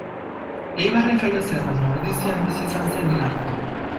Eibarren jaio zen baina Ordizian bizi izan zen hil arte.